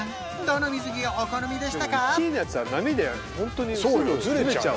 どの水着がお好みでしたか？